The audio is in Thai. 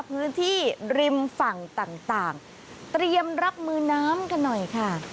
พื้นที่ริมฝั่งต่างเตรียมรับมือน้ำกันหน่อยค่ะ